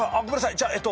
じゃあえっと。